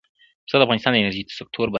پسه د افغانستان د انرژۍ سکتور برخه ده.